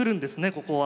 ここは。